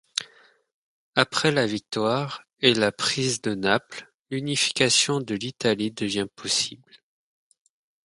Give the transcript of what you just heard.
Après la victoire, et la prise de Naples, l'unification de l'Italie devient possible.